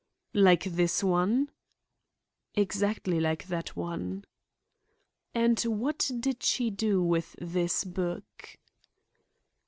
"Like this one?" "Exactly like that one." "And what did she do with this book?"